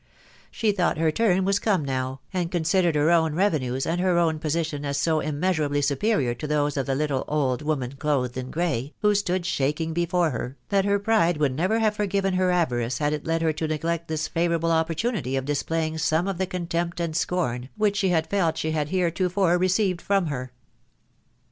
She thought her turn was come now, and considered her own revenues and her own position as so immeasurably superior to those of the little " old woman clothed in grey" who stood shaking before her, that her pride would never have forgiven her avarice had it led her to neglect this favourable opportunity of displaying some of the contempt and scorn which she had felt she had hereto fore received from her.